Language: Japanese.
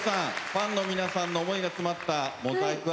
ファンの皆さんの思いが詰まったモザイク